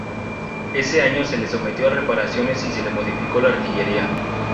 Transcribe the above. Ese año se le sometió a reparaciones y se le modificó la artillería.